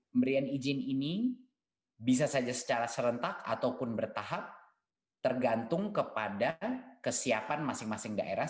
pemberian izin ini bisa saja secara serentak ataupun bertahap tergantung kepada kesiapan masing masing daerah